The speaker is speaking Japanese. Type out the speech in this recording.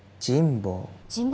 神保。